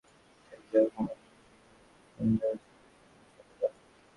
ম্যাচে কখন তারা রক্ষণাত্মক খেলবে, কখন আক্রমণে যাবে, সবই যেন ছকে বাঁধা।